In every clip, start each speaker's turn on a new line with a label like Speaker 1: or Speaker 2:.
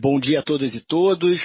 Speaker 1: Bom dia a todas e todos.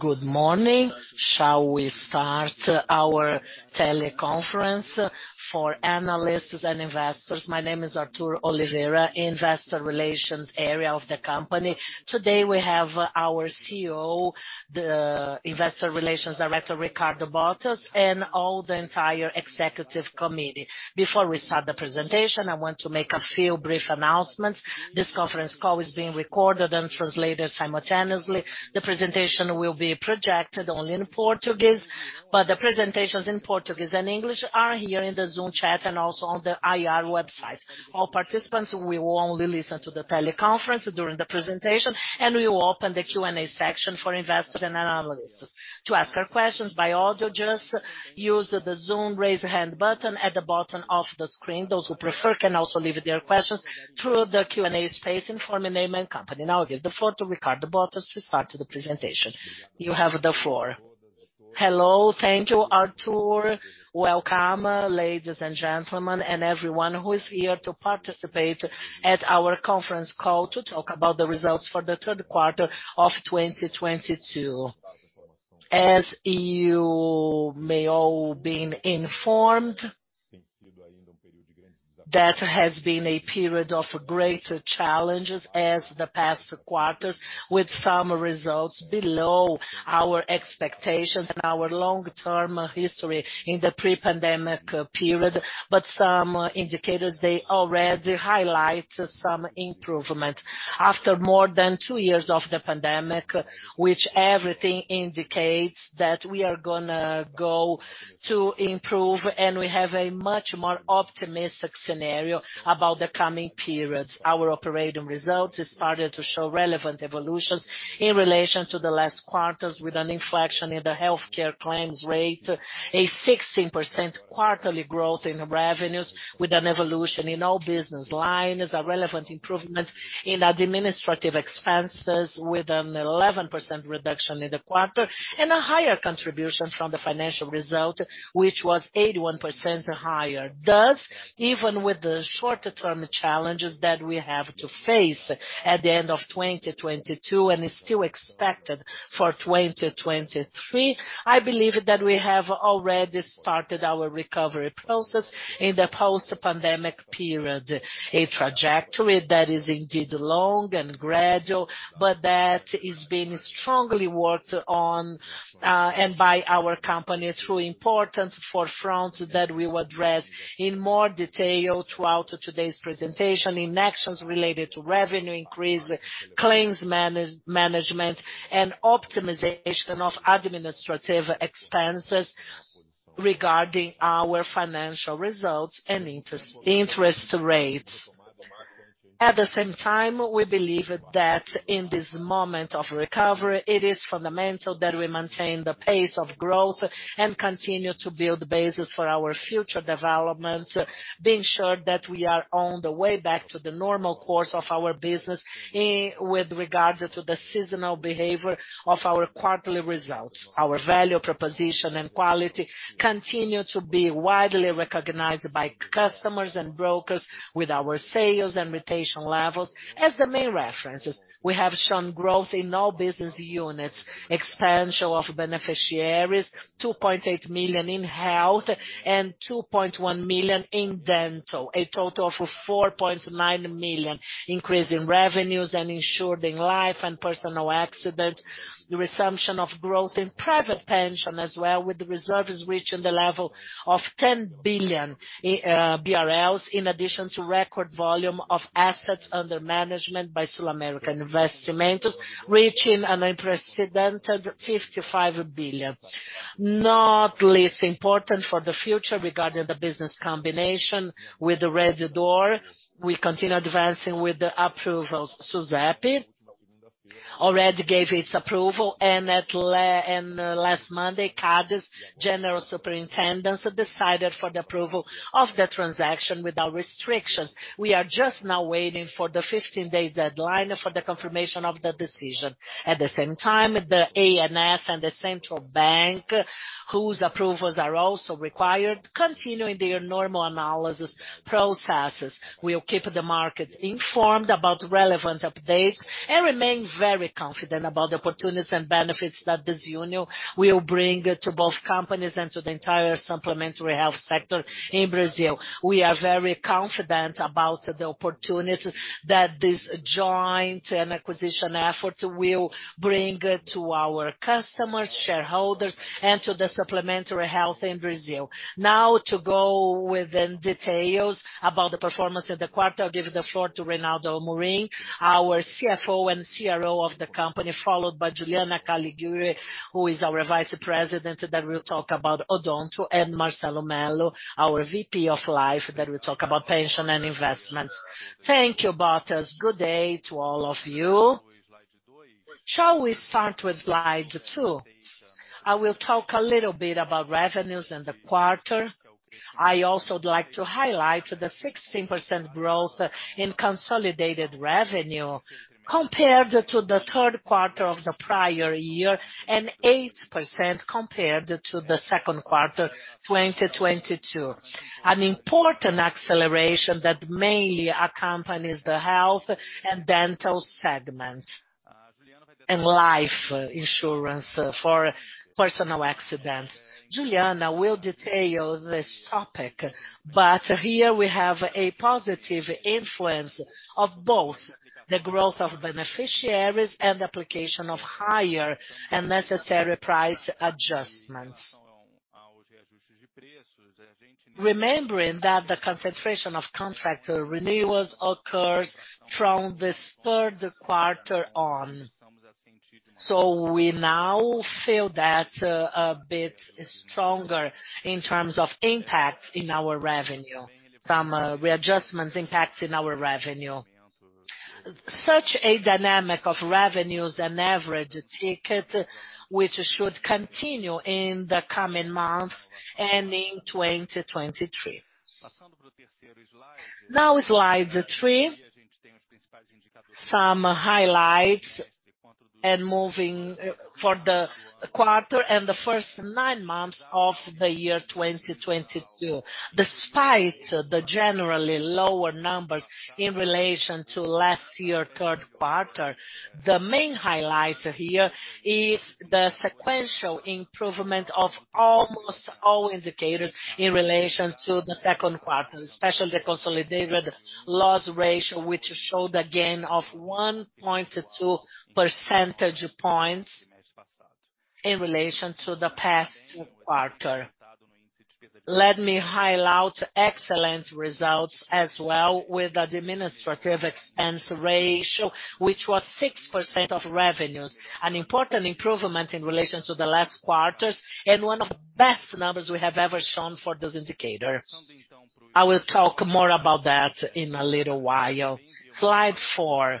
Speaker 1: Good morning. Shall we start our teleconference for analysts and investors. My name is Arthur Oliveira, Investor Relations area of the company. Today we have our CEO, the Investor Relations director, Ricardo Barros, and the entire executive committee. Before we start the presentation, I want to make a few brief announcements. This conference call is being recorded and translated simultaneously. The presentation will be projected only in Portuguese, but the presentations in Portuguese and English are here in the Zoom chat and also on the IR website. All participants, we will only listen to the teleconference during the presentation, and we will open the Q&A section for investors and analysts. To ask our questions by audio, just use the Zoom Raise Hand button at the bottom of the screen. Those who prefer can also leave their questions through the Q&A space, inform your name and company. Now I give the floor to Ricardo Bottas to start the presentation. You have the floor.
Speaker 2: Hello. Thank you, Arthur. Welcome, ladies and gentlemen, and everyone who is here to participate at our conference call to talk about the results for the third quarter of 2022. As you may all been informed, that has been a period of greater challenges as the past quarters, with some results below our expectations and our long-term history in the pre-pandemic period. Some indicators, they already highlight some improvement after more than two years of the pandemic, which everything indicates that we are gonna go to improve, and we have a much more optimistic scenario about the coming periods. Our operating results has started to show relevant evolutions in relation to the last quarters, with an inflection in the healthcare claims rate, a 16% quarterly growth in revenues with an evolution in all business line, is a relevant improvement in administrative expenses with an 11% reduction in the quarter, and a higher contribution from the financial result, which was 81% higher. Thus, even with the shorter-term challenges that we have to face at the end of 2022 and is still expected for 2023, I believe that we have already started our recovery process in the post-pandemic period. A trajectory that is indeed long and gradual, but that is being strongly worked on, and by our company through important forefronts that we will address in more detail throughout today's presentation in actions related to revenue increase, claims management, and optimization of administrative expenses regarding our financial results and interest rates. At the same time, we believe that in this moment of recovery, it is fundamental that we maintain the pace of growth and continue to build the basis for our future development, being sure that we are on the way back to the normal course of our business with regards to the seasonal behavior of our quarterly results. Our value proposition and quality continue to be widely recognized by customers and brokers with our sales and retention levels. As the main references, we have shown growth in all business units, expansion of beneficiaries, 2.8 million in health and 2.1 million in dental. A total of 4.9 million increase in revenues and insured in life and personal accident. The resumption of growth in private pension as well, with the reserves reaching the level of 10 billion BRL, in addition to record volume of assets under management by SulAmérica Investimentos, reaching an unprecedented 55 billion. Not least important for the future regarding the business combination with Rede D'Or. We continue advancing with the approval. SUSEP already gave its approval and last Monday, CADE's General Superintendency, decided for the approval of the transaction without restrictions. We are just now waiting for the 15-day deadline for the confirmation of the decision. At the same time, the ANS and the Central Bank of Brazil, whose approvals are also required, continuing their normal analysis processes. We will keep the market informed about relevant updates and remain very confident about the opportunities and benefits that this union will bring to both companies and to the entire supplementary health sector in Brazil. We are very confident about the opportunities that this joint and acquisition effort will bring to our customers, shareholders, and to the supplementary health in Brazil. Now to go into details about the performance of the quarter, I'll give the floor to Reinaldo Amorim, our CFO and CRO of the company, followed by Juliana Caligiuri, who is our Vice President, that will talk about Odonto, and Marcelo Mello, our VP of Life, that will talk about pension and investments.
Speaker 3: Thank you, Barros. Good day to all of you. Shall we start with slide two? I will talk a little bit about revenues in the quarter. I also would like to highlight the 16% growth in consolidated revenue compared to the third quarter of the prior year, and 8% compared to the second quarter 2022. An important acceleration that mainly accompanies the health and dental segment. Life insurance for personal accidents. Juliana will detail this topic, but here we have a positive influence of both the growth of beneficiaries and application of higher and necessary price adjustments. Remembering that the concentration of contract renewals occurs from this third quarter on, so we now feel that a bit stronger in terms of impact in our revenue. Some readjustments impacts in our revenue. Such a dynamic of revenues and average ticket, which should continue in the coming months and in 2023. Now, Slide three. Some highlights and moving for the quarter and the first nine months of the year 2022. Despite the generally lower numbers in relation to last year, third quarter, the main highlight here is the sequential improvement of almost all indicators in relation to the second quarter, especially the consolidated loss ratio, which showed a gain of 1.2 percentage points in relation to the past quarter. Let me highlight excellent results as well with the administrative expense ratio, which was 6% of revenues, an important improvement in relation to the last quarters and one of the best numbers we have ever shown for this indicator. I will talk more about that in a little while. Slide four.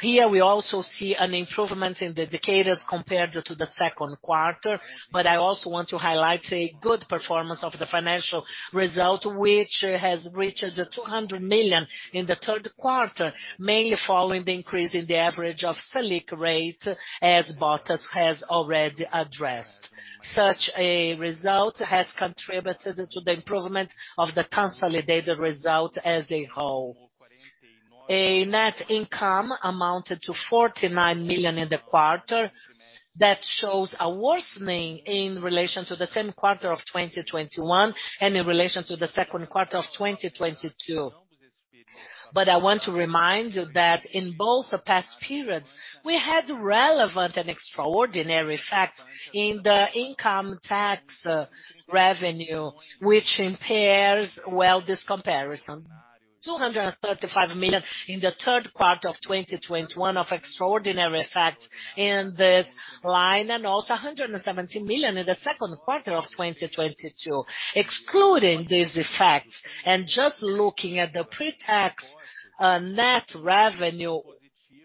Speaker 3: Here we also see an improvement in the indicators compared to the second quarter. I also want to highlight a good performance of the financial result, which has reached 200 million in the third quarter, mainly following the increase in the average of Selic rate, as Bottas has already addressed. Such a result has contributed to the improvement of the consolidated result as a whole. Net income amounted to 49 million in the quarter. That shows a worsening in relation to the same quarter of 2021 and in relation to the second quarter of 2022. I want to remind you that in both the past periods, we had relevant and extraordinary facts in the income tax revenue, which impairs, well, this comparison. 235 million in the third quarter of 2021 of extraordinary effects in this line, and also 170 million in the second quarter of 2022. Excluding these effects and just looking at the pre-tax net revenue,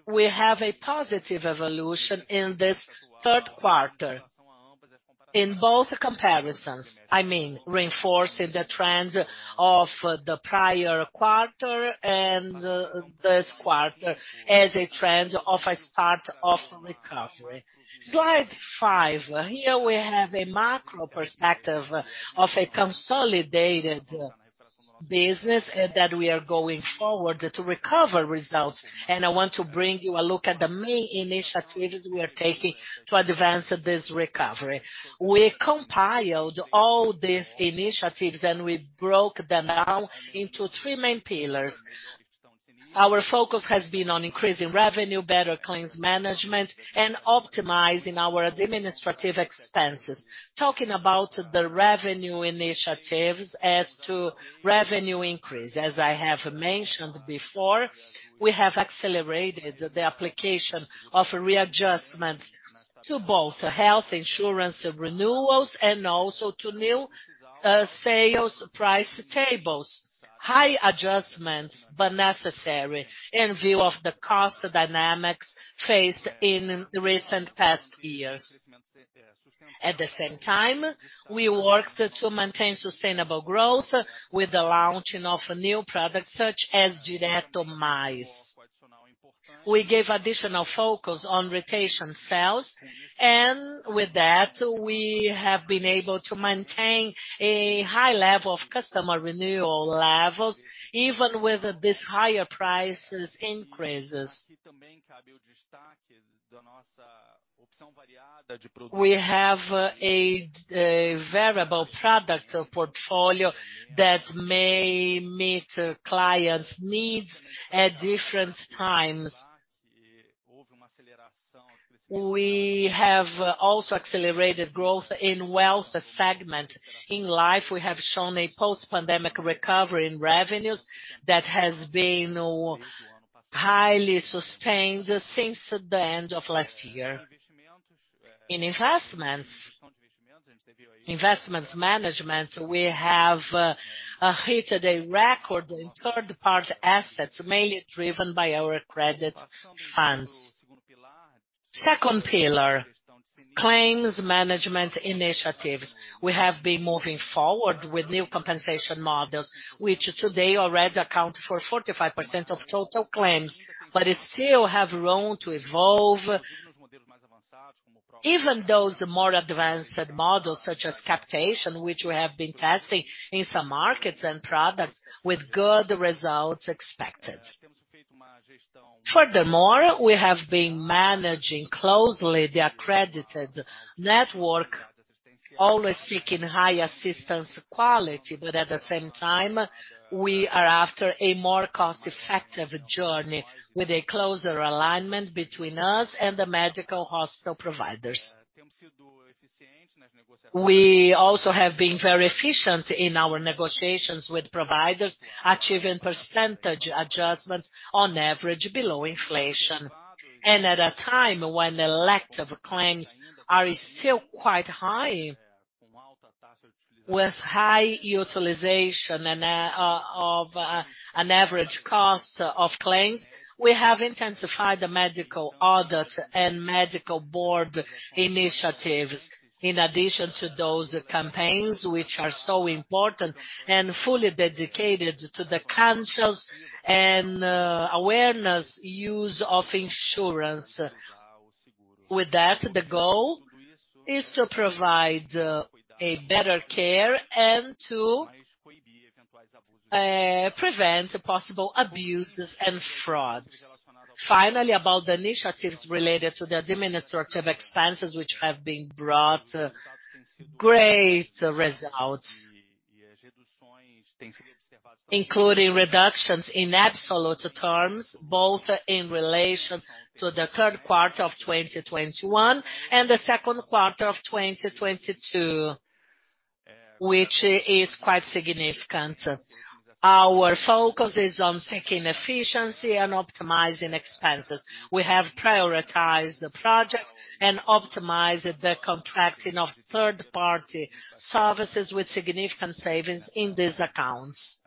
Speaker 3: we have a positive evolution in this third quarter in both comparisons. I mean, reinforcing the trend of the prior quarter and this quarter as a trend of a start of recovery. Slide five. Here we have a macro perspective of a consolidated business that we are going forward to recover results. I want to bring you a look at the main initiatives we are taking to advance this recovery. We compiled all these initiatives, and we broke them down into three main pillars. Our focus has been on increasing revenue, better claims management, and optimizing our administrative expenses. Talking about the revenue initiatives as to revenue increase, as I have mentioned before, we have accelerated the application of readjustment to both health insurance renewals and also to new sales price tables. High adjustments, but necessary in view of the cost dynamics faced in recent past years. At the same time, we worked to maintain sustainable growth with the launching of new products such as Direto Mais. We gave additional focus on rotation sales, and with that, we have been able to maintain a high level of customer renewal levels even with these higher price increases. We have a variable product portfolio that may meet clients' needs at different times. We have also accelerated growth in wealth segment. In life, we have shown a post-pandemic recovery in revenues that has been highly sustained since the end of last year. In investments management, we have hit a record in third-party assets, mainly driven by our credit funds. Second pillar, claims management initiatives. We have been moving forward with new compensation models, which today already account for 45% of total claims, but it still have room to evolve. Even those more advanced models such as capitation, which we have been testing in some markets and products with good results expected. Furthermore, we have been managing closely the accredited network, always seeking high assistance quality, but at the same time, we are after a more cost-effective journey with a closer alignment between us and the medical hospital providers. We also have been very efficient in our negotiations with providers, achieving percentage adjustments on average below inflation. At a time when elective claims are still quite high, with high utilization and an average cost of claims, we have intensified the medical audit and medical board initiatives in addition to those campaigns, which are so important and fully dedicated to the conscious and awareness use of insurance. With that, the goal is to provide a better care and to prevent possible abuses and frauds. Finally, about the initiatives related to the administrative expenses which have been brought great results, including reductions in absolute terms, both in relation to the third quarter of 2021 and the second quarter of 2022, which is quite significant. Our focus is on seeking efficiency and optimizing expenses. We have prioritized the projects and optimized the contracting of third-party services with significant savings in these accounts.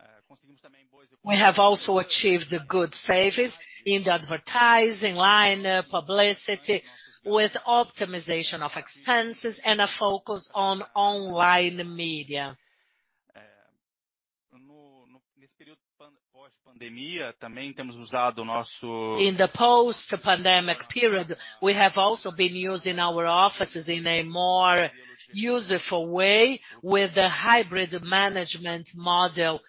Speaker 3: We have also achieved good savings in the advertising line, publicity with optimization of expenses and a focus on online media. In the post-pandemic period, we have also been using our offices in a more useful way with the hybrid management model.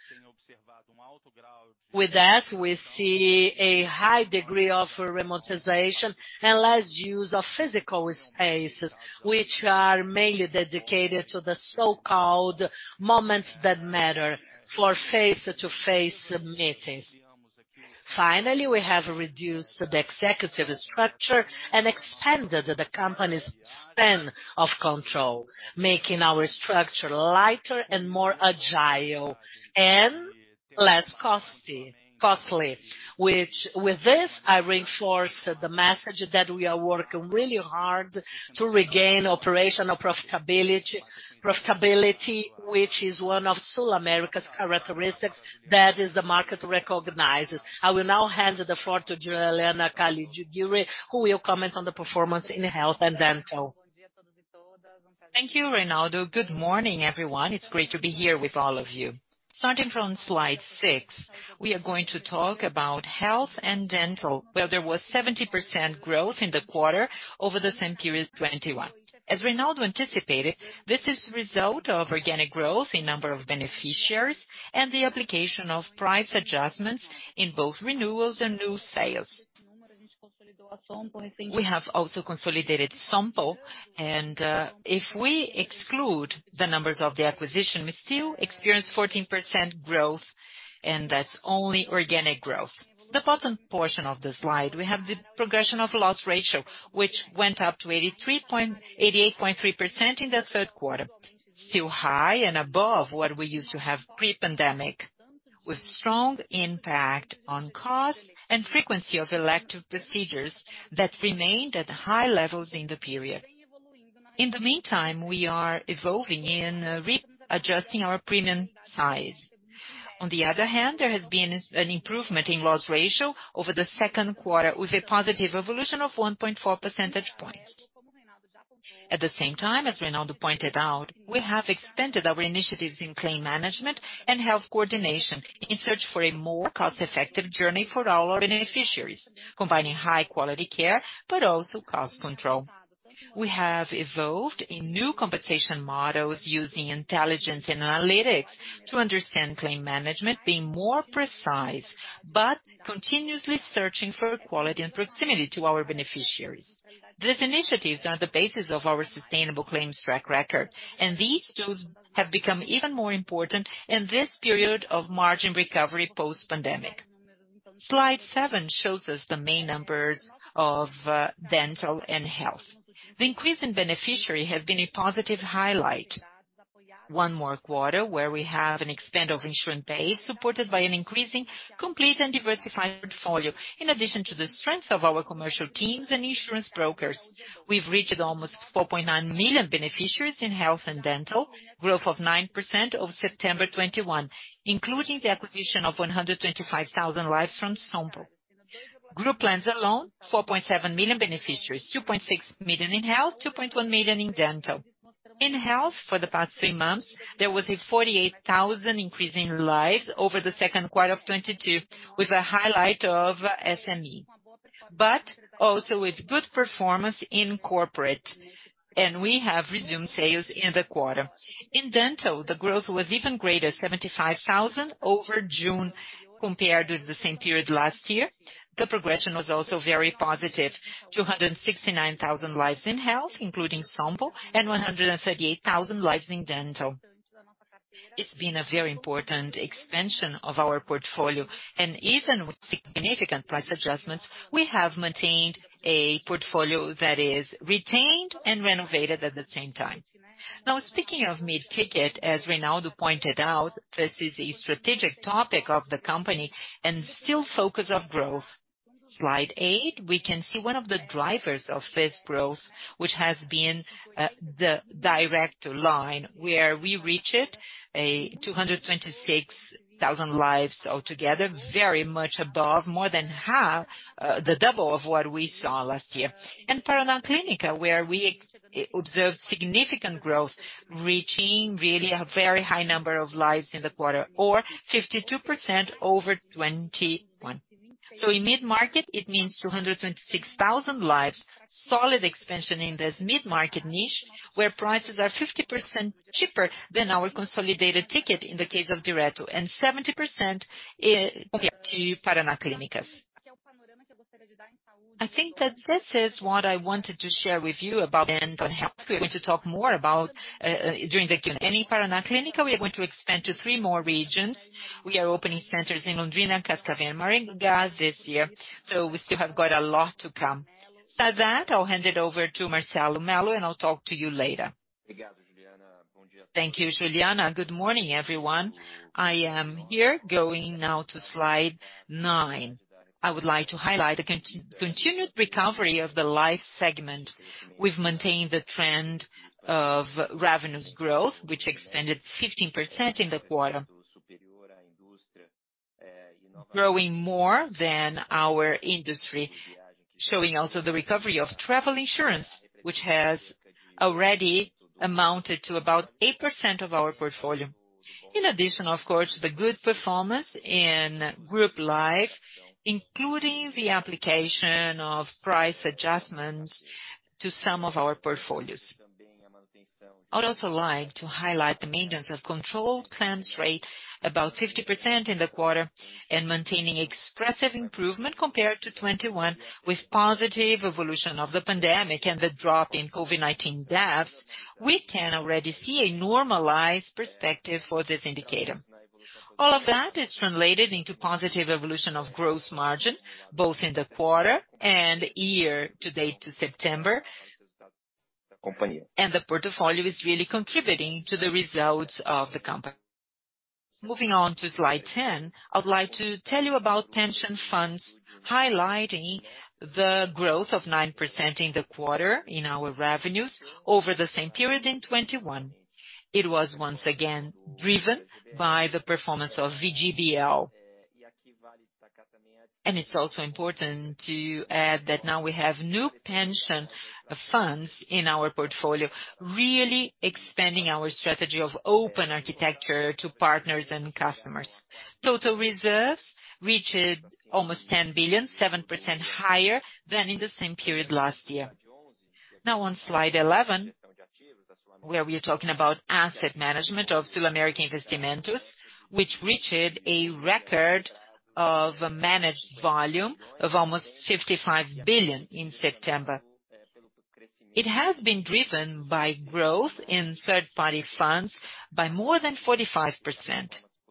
Speaker 3: With that, we see a high degree of remotization and less use of physical spaces, which are mainly dedicated to the so-called moments that matter for face-to-face meetings. Finally, we have reduced the executive structure and expanded the company's span of control, making our structure lighter and more agile and less costly, which with this, I reinforce the message that we are working really hard to regain operational profitability, which is one of SulAmérica's characteristics, that is the market recognizes. I will now hand the floor to Juliana Caligiuri, who will comment on the performance in health and dental.
Speaker 4: Thank you, Reinaldo. Good morning, everyone. It's great to be here with all of you. Starting from Slide six, we are going to talk about health and dental, where there was 70% growth in the quarter over the same period 2021. As Reinaldo anticipated, this is result of organic growth in number of beneficiaries and the application of price adjustments in both renewals and new sales. We have also consolidated Sompo, and if we exclude the numbers of the acquisition, we still experience 14% growth, and that's only organic growth. The bottom portion of the slide, we have the progression of loss ratio, which went up to 88.3% in the third quarter, still high and above what we used to have pre-pandemic, with strong impact on cost and frequency of elective procedures that remained at high levels in the period. In the meantime, we are evolving in re-adjusting our premium size. On the other hand, there has been an improvement in loss ratio over the second quarter with a positive evolution of 1.4 percentage points. At the same time, as Reinaldo pointed out, we have expanded our initiatives in claim management and health coordination in search for a more cost-effective journey for all our beneficiaries, combining high-quality care, but also cost control. We have evolved in new compensation models using intelligence and analytics to understand claim management being more precise, but continuously searching for quality and proximity to our beneficiaries. These initiatives are the basis of our sustainable claims track record, and these tools have become even more important in this period of margin recovery post-pandemic. Slide seven shows us the main numbers of dental and health. The increase in beneficiary has been a positive highlight. One more quarter where we have an expansion of the insurance base, supported by an increasingly complete and diversified portfolio, in addition to the strength of our commercial teams and insurance brokers. We've reached almost 4.9 million beneficiaries in health and dental, growth of 9% over September 2021, including the acquisition of 125,000 lives from Sompo. Group plans alone, 4.7 million beneficiaries, 2.6 million in health, 2.1 million in dental. In health for the past three months, there was a 48,000 increase in lives over the second quarter of 2022, with a highlight of SME. Also with good performance in corporate, and we have resumed sales in the quarter. In dental, the growth was even greater, 75,000 over June compared with the same period last year. The progression was also very positive, 269,000 lives in health, including Sompo, and 138,000 lives in dental. It's been a very important expansion of our portfolio, and even with significant price adjustments, we have maintained a portfolio that is retained and renovated at the same time. Now, speaking of mid-ticket, as Reinaldo pointed out, this is a strategic topic of the company and still focus of growth. Slide eight, we can see one of the drivers of this growth, which has been, the direct line, where we reached 226,000 lives altogether, very much above, more than half, the double of what we saw last year. In Paraná Clínicas, where we observed significant growth, reaching really a very high number of lives in the quarter or 52% over 2021. In mid-market, it means 226,000 lives, solid expansion in this mid-market niche, where prices are 50% cheaper than our consolidated ticket in the case of Direto, and 70% compared to Paraná Clínicas. I think that this is what I wanted to share with you about dental health. We're going to talk more about during the Q&A. Paraná Clínicas, we are going to expand to three more regions. We are opening centers in Londrina, Cascavel, and Maringá this year, so we still have got a lot to come. That said, I'll hand it over to Marcelo Mello, and I'll talk to you later.
Speaker 5: Thank you, Juliana. Good morning, everyone. I am here going now to Slide nine. I would like to highlight the continued recovery of the life segment. We've maintained the trend of revenues growth, which extended 15% in the quarter. Growing more than our industry, showing also the recovery of travel insurance, which has already amounted to about 8% of our portfolio. In addition, of course, the good performance in group life, including the application of price adjustments to some of our portfolios. I'd also like to highlight the maintenance of controlled claims rate, about 50% in the quarter, and maintaining expressive improvement compared to 2021. With positive evolution of the pandemic and the drop in COVID-19 deaths, we can already see a normalized perspective for this indicator. All of that is translated into positive evolution of gross margin, both in the quarter and year-to-date to September, and the portfolio is really contributing to the results of the company. Moving on to Slide 10, I'd like to tell you about pension funds, highlighting the growth of 9% in the quarter in our revenues over the same period in 2021. It was once again driven by the performance of VGBL. It's also important to add that now we have new pension funds in our portfolio, really expanding our strategy of open architecture to partners and customers. Total reserves reached almost 10 billion, 7% higher than in the same period last year. Now on Slide 11, where we are talking about asset management of SulAmérica Investimentos, which reached a record of a managed volume of almost 55 billion in September. It has been driven by growth in third-party funds by more than 45%.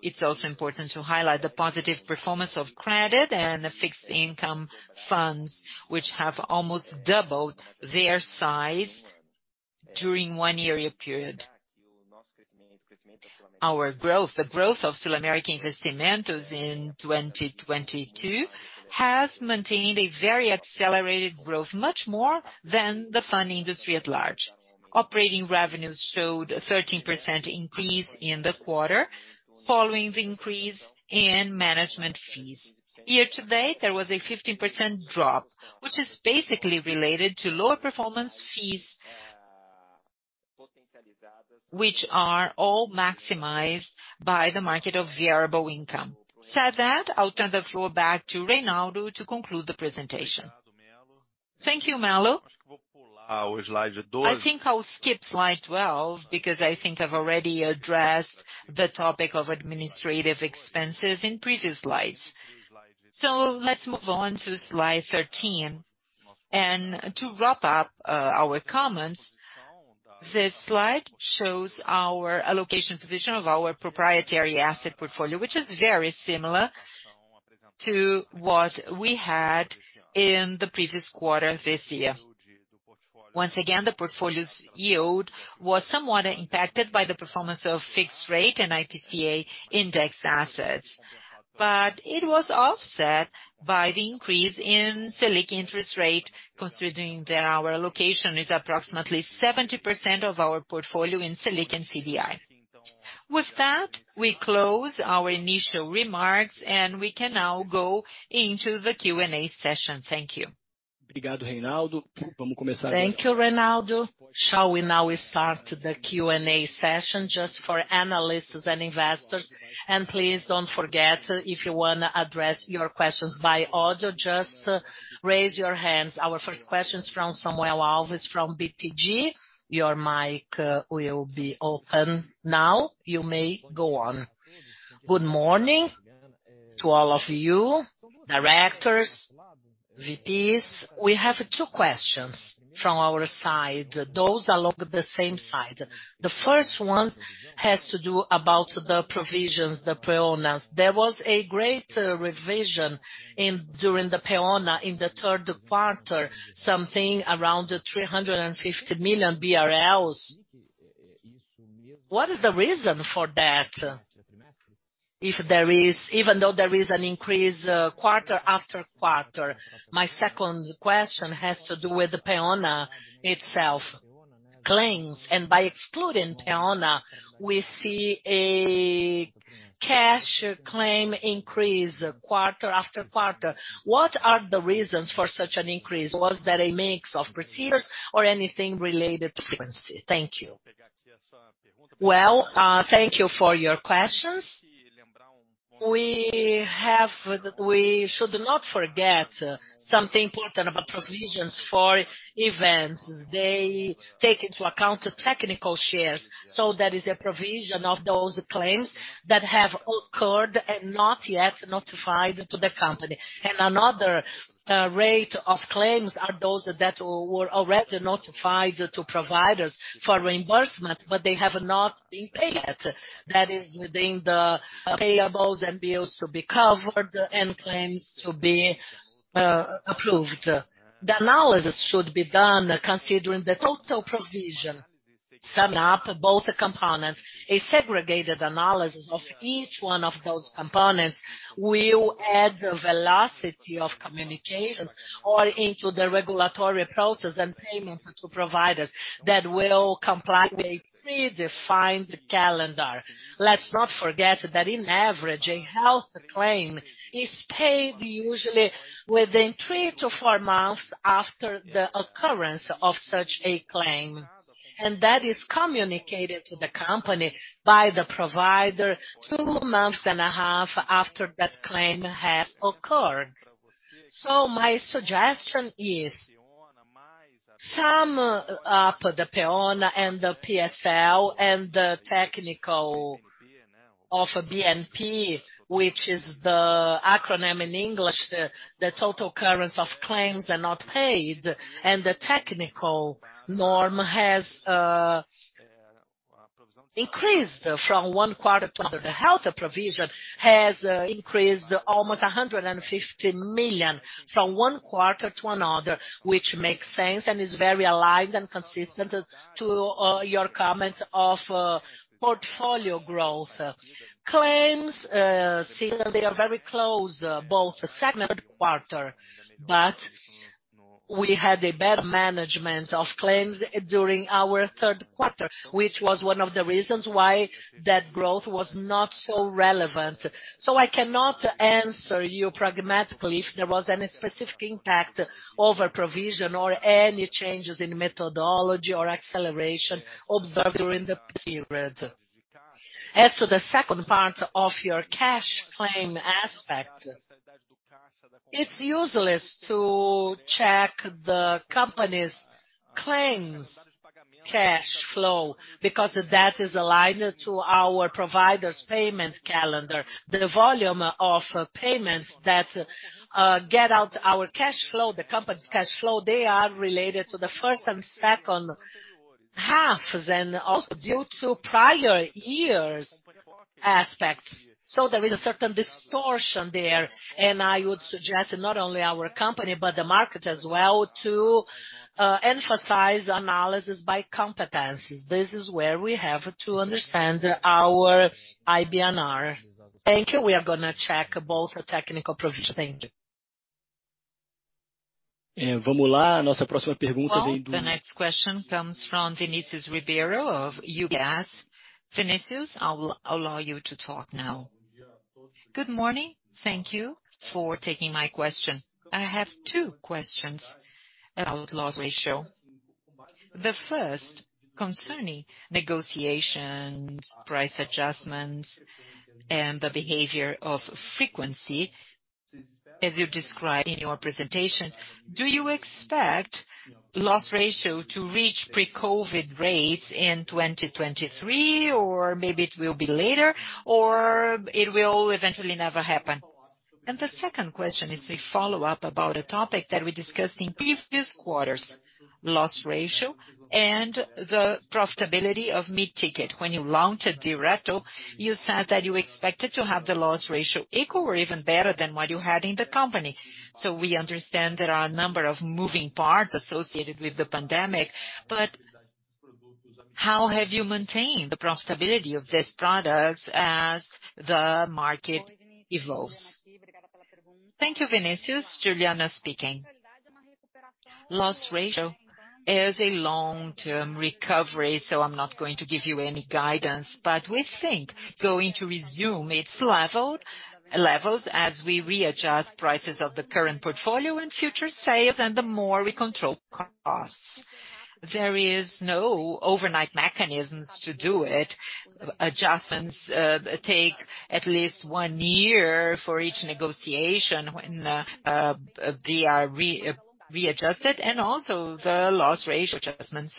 Speaker 5: It's also important to highlight the positive performance of credit and fixed income funds, which have almost doubled their size during one-year period. Our growth, the growth of SulAmérica Investimentos in 2022 has maintained a very accelerated growth, much more than the fund industry at large. Operating revenues showed a 13% increase in the quarter, following the increase in management fees. Year to date, there was a 15% drop, which is basically related to lower performance fees, which are all maximized by the market of variable income. That said, I'll turn the floor back to Reinaldo to conclude the presentation.
Speaker 3: Thank you, Mello. I think I'll skip Slide 12 because I think I've already addressed the topic of administrative expenses in previous slides. Let's move on to Slide 13. To wrap up our comments, this slide shows our allocation position of our proprietary asset portfolio, which is very similar to what we had in the previous quarter this year. Once again, the portfolio's yield was somewhat impacted by the performance of fixed rate and IPCA index assets. It was offset by the increase in Selic interest rate, considering that our allocation is approximately 70% of our portfolio in Selic and CDI. With that, we close our initial remarks, and we can now go into the Q&A session. Thank you.
Speaker 1: Thank you, Reinaldo. Shall we now start the Q&A session just for analysts and investors? Please don't forget, if you wanna address your questions via audio, just raise your hands. Our first question is from Samuel Alves from BTG Pactual. Your mic will be open now. You may go on.
Speaker 6: Good morning to all of you, directors, VPs. We have two questions from our side, those along the same lines. The first one has to do about the provisions, the PEONAs. There was a great revision during the PEONA in the third quarter, something around 350 million BRL. What is the reason for that, even though there is an increase quarter after quarter? My second question has to do with the PEONA itself claims, and by excluding PEONA, we see a cash claims increase quarter after quarter. What are the reasons for such an increase? Was that a mix of procedures or anything related to frequency? Thank you.
Speaker 2: Well, thank you for your questions. We should not forget something important about provisions for events. They take into account the technical reserves. So that is a provision of those claims that have occurred and not yet notified to the company. Another type of claims are those that were already notified to providers for reimbursement, but they have not been paid yet. That is within the payables and bills to be covered and claims to be approved. The analysis should be done considering the total provision, summing up both components. A segregated analysis of each one of those components will add the velocity of communications or into the regulatory process and payment to providers that will comply with a predefined calendar. Let's not forget that on average, a health claim is paid usually within 3-4 months after the occurrence of such a claim. That is communicated to the company by the provider 2.5 months after that claim has occurred. My suggestion is sum up the PEONA and the PSL and the technical IBNP, which is the acronym in English, the total occurrence of claims are not paid, and the technical IBNP has increased from one quarter to another. The health provision has increased almost 150 million from one quarter to another, which makes sense and is very aligned and consistent to your comments of portfolio growth. Claims seem they are very close, both the second and third quarter, but we had a better management of claims during our third quarter, which was one of the reasons why that growth was not so relevant. I cannot answer you practically if there was any specific impact over provision or any changes in methodology or acceleration observed during the period. As to the second part of your cash claim aspect, it's useless to check the company's claims cash flow because that is aligned to our provider's payment calendar.
Speaker 1: The volume of payments that get out of our cash flow, the company's cash flow, they are related to the first and second halves and also due to prior years' aspects. There is a certain distortion there, and I would suggest not only our company but the market as well to emphasize analysis by competencies. This is where we have to understand our IBNR.
Speaker 6: Thank you. We are gonna check both the technical provision.
Speaker 1: Thank you. Well, the next question comes from Vinícius Ribeiro of UBS. Vinícius, I'll allow you to talk now.
Speaker 7: Good morning. Thank you for taking my question. I have two questions about loss ratio. The first concerning negotiations, price adjustments, and the behavior of frequency, as you described in your presentation, do you expect loss ratio to reach pre-COVID rates in 2023, or maybe it will be later, or it will eventually never happen? The second question is a follow-up about a topic that we discussed in previous quarters, loss ratio and the profitability of mid-ticket. When you launched Direto, you said that you expected to have the loss ratio equal or even better than what you had in the company. So we understand there are a number of moving parts associated with the pandemic, but how have you maintained the profitability of these products as the market evolves?
Speaker 4: Thank you, Vinícius. Juliana speaking. Loss ratio is a long-term recovery, so I'm not going to give you any guidance, but we think it's going to resume its levels as we readjust prices of the current portfolio and future sales, and the more we control costs. There is no overnight mechanism to do it. Adjustments take at least one year for each negotiation when they are readjusted and also the loss ratio adjustment.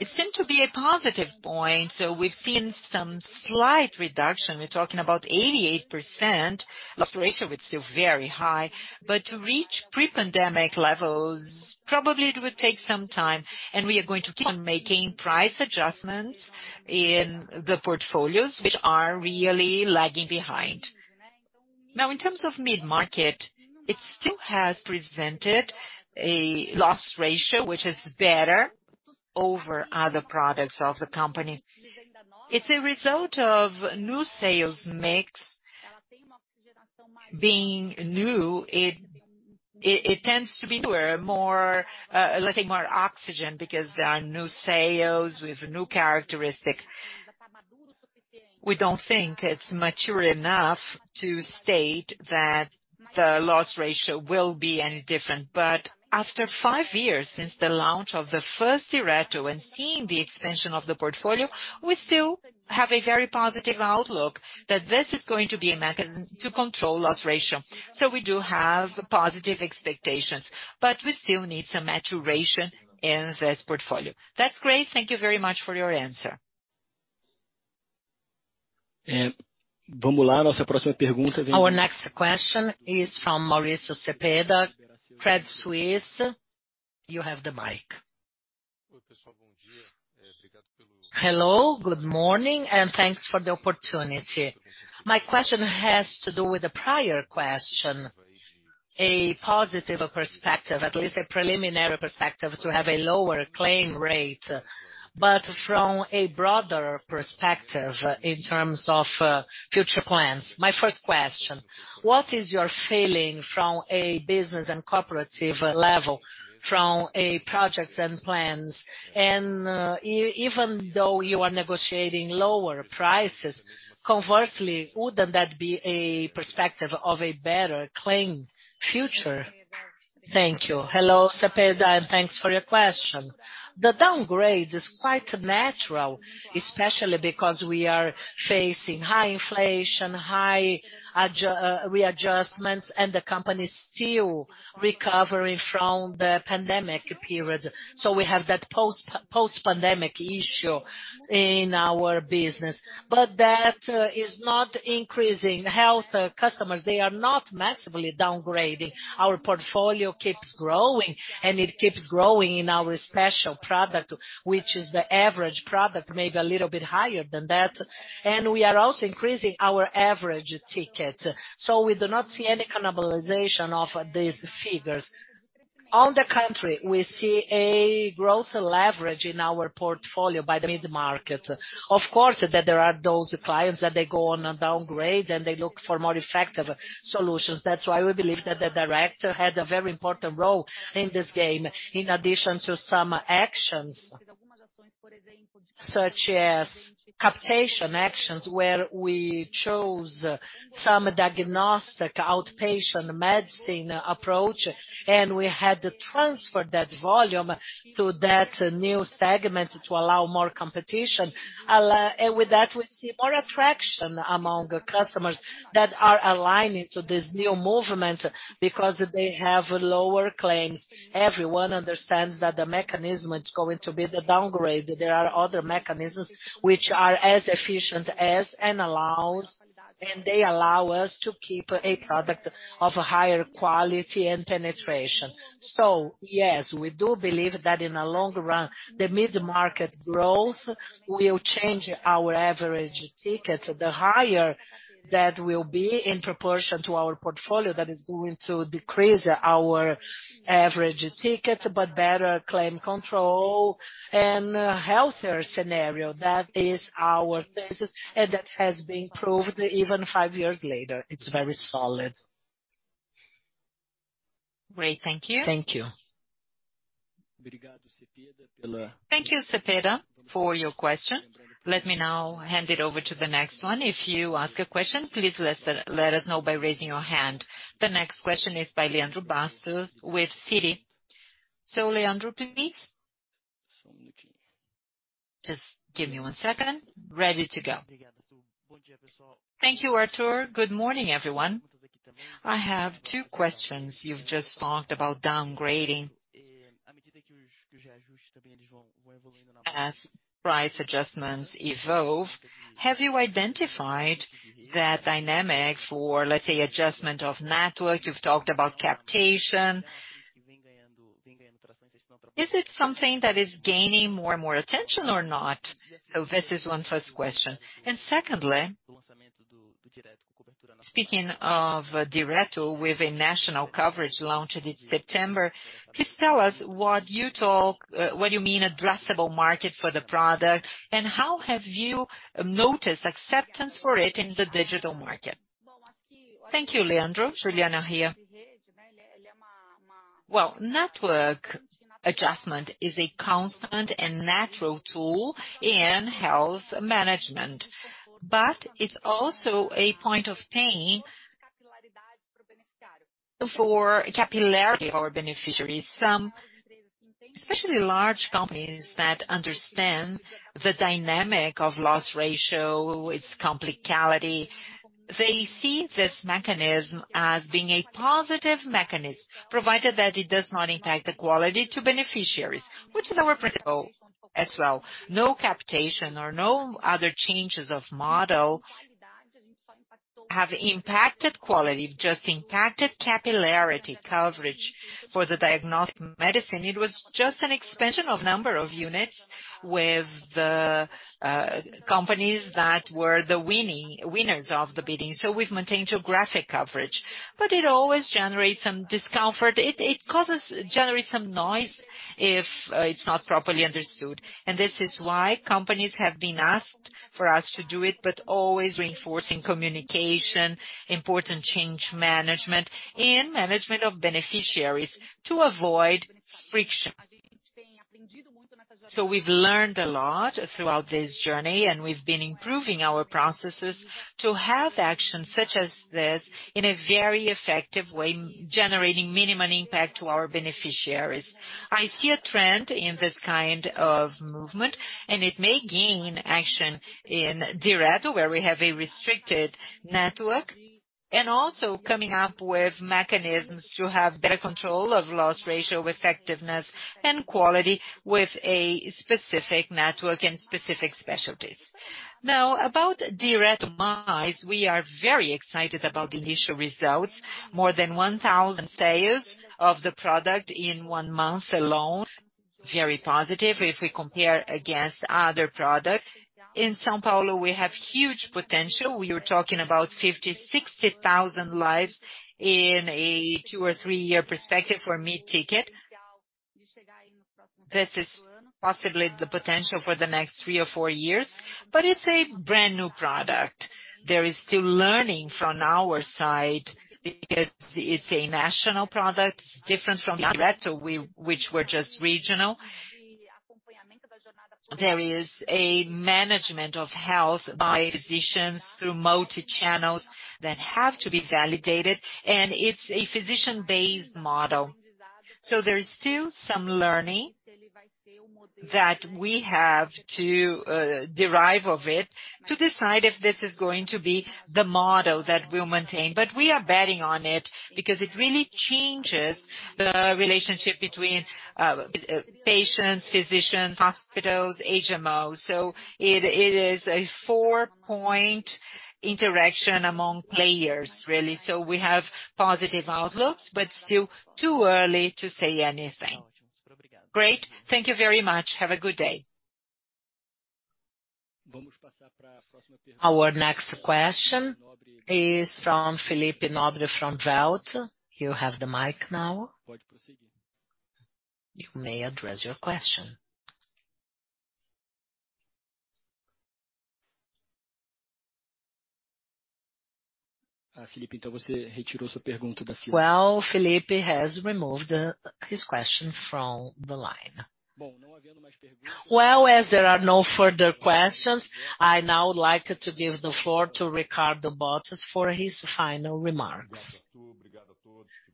Speaker 4: It seemed to be a positive point. We've seen some slight reduction. We're talking about 88%. Loss ratio is still very high. To reach pre-pandemic levels, probably it would take some time and we are going to keep on making price adjustments in the portfolios which are really lagging behind. Now in terms of mid-market, it still has presented a loss ratio which is better over other products of the company. It's a result of new sales mix. Being new, it tends to be where more, let's say more oxygen because there are new sales with new characteristic. We don't think it's mature enough to state that the loss ratio will be any different. After five years since the launch of the first Direto and seeing the expansion of the portfolio, we still have a very positive outlook that this is going to be a mechanism to control loss ratio. We do have positive expectations, but we still need some maturation in this portfolio.
Speaker 7: That's great. Thank you very much for your answer.
Speaker 1: Our next question is from Mauricio Cepeda, Credit Suisse. You have the mic.
Speaker 8: Hello, good morning, and thanks for the opportunity. My question has to do with the prior question. A positive perspective, at least a preliminary perspective to have a lower claim rate. From a broader perspective in terms of future plans. My first question: what is your feeling from a business and corporate level from projects and plans? Even though you are negotiating lower prices, conversely, wouldn't that be a perspective of a better claim future? Thank you.
Speaker 2: Hello, Cepeda, and thanks for your question. The downgrade is quite natural, especially because we are facing high inflation, high readjustments, and the company is still recovering from the pandemic period. We have that post-pandemic issue in our business. That is not increasing. Health, customers, they are not massively downgrading. Our portfolio keeps growing, and it keeps growing in our special product, which is the average product, maybe a little bit higher than that. We are also increasing our average ticket. We do not see any cannibalization of these figures. On the contrary, we see a growth leverage in our portfolio by the mid-market. Of course, that there are those clients that they go on a downgrade and they look for more effective solutions. That's why we believe that SulAmérica Direto had a very important role in this game. In addition to some actions such as capitation actions, where we chose some diagnostic, outpatient medicine approach, and we had to transfer that volume to that new segment to allow more competition. With that, we see more attraction among customers that are aligning to this new movement because they have lower claims. Everyone understands that the mechanism is going to be the downgrade. There are other mechanisms which are as efficient as and they allow us to keep a product of higher quality and penetration. Yes, we do believe that in the long run, the mid-market growth will change our average ticket. The higher that will be in proportion to our portfolio, that is going to decrease our average ticket, but better claim control and a healthier scenario. That is our thesis, and that has been proved even five years later. It's very solid.
Speaker 8: Great. Thank you.
Speaker 2: Thank you.
Speaker 1: Thank you, Cepeda, for your question. Let me now hand it over to the next one. If you ask a question, please let us know by raising your hand. The next question is by Leandro Bastos with Citi. So Leandro, please.
Speaker 9: Just give me one second. Ready to go. Thank you, Arthur. Good morning, everyone. I have two questions. You've just talked about downgrading. As price adjustments evolve, have you identified that dynamic for, let's say, adjustment of network? You've talked about capitation. Is it something that is gaining more and more attention or not? This is one first question. Secondly, speaking of Direto with a national coverage launched in September, please tell us what do you mean addressable market for the product, and how have you noticed acceptance for it in the digital market?
Speaker 4: Thank you, Leandro. Juliana here. Well, network adjustment is a constant and natural tool in health management, but it's also a point of pain for capillarity of our beneficiaries. Especially large companies that understand the dynamic of loss ratio, its complexity. They see this mechanism as being a positive mechanism, provided that it does not impact the quality to beneficiaries, which is our principle as well. No capitation or no other changes of model have impacted quality, just impacted capillarity coverage for the diagnostic medicine. It was just an expansion of number of units with the companies that were the winners of the bidding. We've maintained geographic coverage, but it always generates some discomfort. It generates some noise if it's not properly understood. This is why companies have been asked for us to do it, but always reinforcing communication, important change management and management of beneficiaries to avoid friction. We've learned a lot throughout this journey, and we've been improving our processes to have actions such as this in a very effective way, generating minimum impact to our beneficiaries. I see a trend in this kind of movement, and it may gain action in Direto, where we have a restricted network, and also coming up with mechanisms to have better control of loss ratio effectiveness and quality with a specific network and specific specialties. Now about Direto Mais, we are very excited about the initial results. More than 1,000 sales of the product in one month alone. Very positive if we compare against other products. In São Paulo, we have huge potential.
Speaker 1: We are talking about 50,000-60,000 lives in a two or three-year perspective for mid-ticket. This is possibly the potential for the next three or four years, but it's a brand-new product. There is still learning from our side. It's a national product different from Direto, which were just regional. There is a management of health by physicians through multi-channels that have to be validated, and it's a physician-based model. There's still some learning that we have to derive of it to decide if this is going to be the model that we'll maintain. But we are betting on it because it really changes the relationship between patients, physicians, hospitals, HMOs. So it is a four-point interaction among players, really. We have positive outlooks, but still too early to say anything.
Speaker 9: Great. Thank you very much. Have a good day.
Speaker 1: Our next question is from Felipe Nobre, from Velt. You have the mic now. You may address your question. Well, Felipe has removed his question from the line. Well, as there are no further questions, I now would like to give the floor to Ricardo Bottas for his final remarks.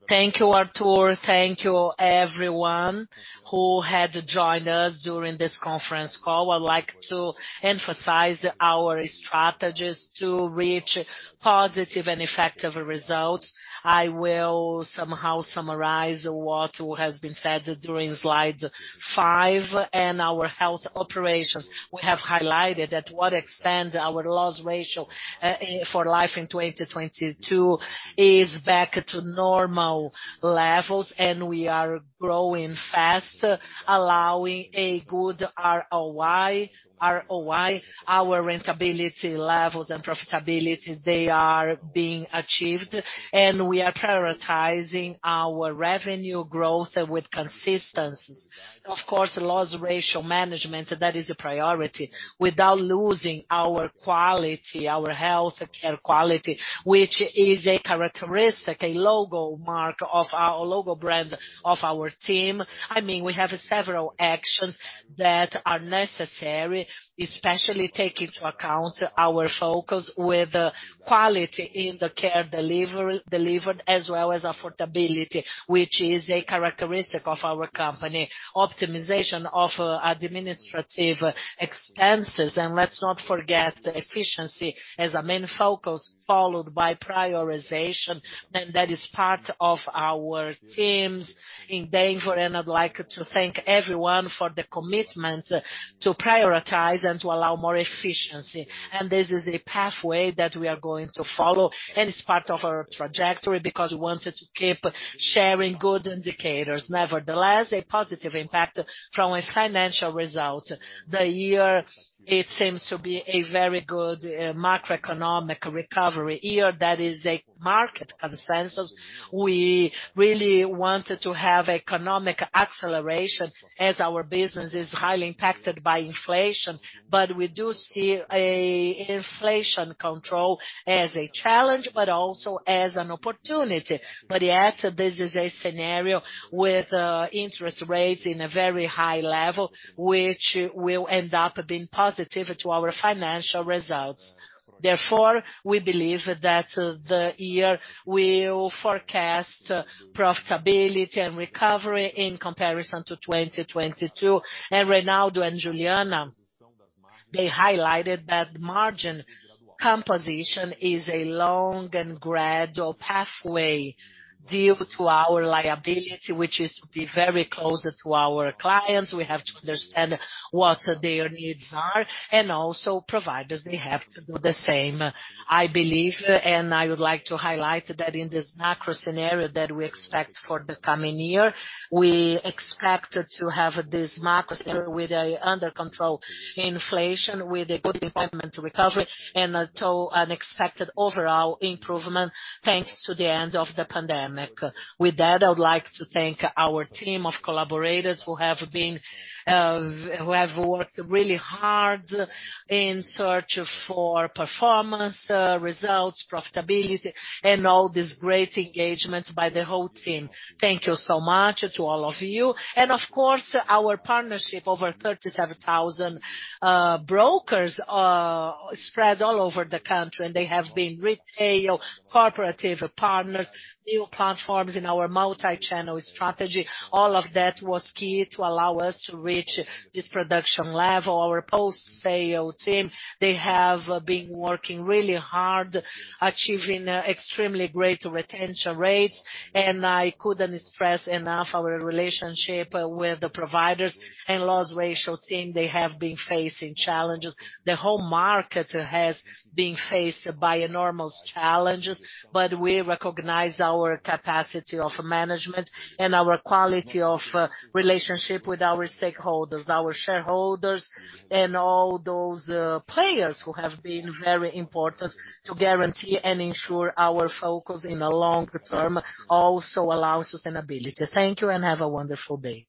Speaker 2: Thank you, Arthur. Thank you everyone who had joined us during this conference call. I'd like to emphasize our strategies to reach positive and effective results. I will somehow summarize what has been said during Slide five and our health operations. We have highlighted to what extent our loss ratio for health in 2022 is back to normal levels, and we are growing fast, allowing a good ROI. Our rentability levels and profitabilities, they are being achieved, and we are prioritizing our revenue growth with consistencies. Of course, loss ratio management, that is a priority without losing our quality, our health care quality, which is a characteristic, a logomark of our logo brand of our team. I mean, we have several actions that are necessary, especially take into account our focus with quality in the care delivered as well as affordability, which is a characteristic of our company. Optimization of administrative expenses, and let's not forget efficiency as a main focus, followed by prioritization. That is part of our team's endeavor, and I'd like to thank everyone for the commitment to prioritize and to allow more efficiency. This is a pathway that we are going to follow, and it's part of our trajectory because we wanted to keep sharing good indicators. Nevertheless, a positive impact from a financial result. The year, it seems to be a very good macroeconomic recovery year. That is a market consensus. We really wanted to have economic acceleration as our business is highly impacted by inflation, but we do see an inflation control as a challenge, but also as an opportunity. Yes, this is a scenario with interest rates in a very high level, which will end up being positive to our financial results. Therefore, we believe that the year will forecast profitability and recovery in comparison to 2022. Reinaldo and Juliana. They highlighted that margin composition is a long and gradual pathway due to our liability, which is to be very closer to our clients. We have to understand what their needs are and also providers, they have to do the same. I believe, and I would like to highlight that in this macro scenario that we expect for the coming year, we expect to have this macro scenario with inflation under control, with a good employment recovery and an expected overall improvement thanks to the end of the pandemic. With that, I would like to thank our team of collaborators who have been, who have worked really hard in search of performance, results, profitability, and all this great engagement by the whole team. Thank you so much to all of you. Of course, our partnership, over 37,000 brokers, spread all over the country, and they have been retail, cooperative partners, new platforms in our multichannel strategy. All of that was key to allow us to reach this production level. Our post-sale team, they have been working really hard achieving extremely great retention rates, and I couldn't stress enough our relationship with the providers and loss ratio team, they have been facing challenges. The whole market has been faced by enormous challenges, but we recognize our capacity of management and our quality of relationship with our stakeholders, our shareholders, and all those players who have been very important to guarantee and ensure our focus in the long term also allows sustainability. Thank you and have a wonderful day.